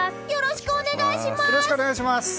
よろしくお願いします！